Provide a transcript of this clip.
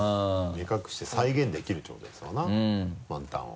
目隠しして再現できるっていうことですわな満タンを。